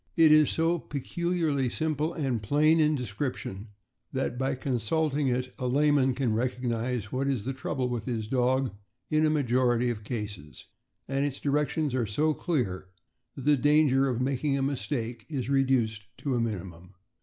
It is so peculiarly simple and plain in description that by consulting it a layman can recognize what is the trouble with his dog in a majority of cases, and its directions are so clear that the danger of making a mistake is reduced to a minimum.